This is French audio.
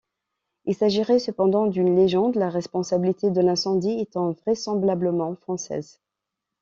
Il s'agirait cependant d'une légende, la responsabilité de l'incendie étant vraisemblablement française.